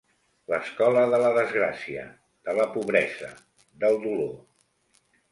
L'escola de la desgràcia, de la pobresa, del dolor.